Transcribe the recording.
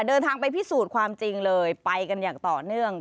เดินทางไปพิสูจน์ความจริงเลยไปกันอย่างต่อเนื่อง